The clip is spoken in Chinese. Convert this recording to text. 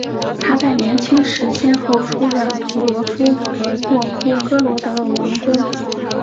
他在年轻时先后出任图罗夫和诺夫哥罗德的王公。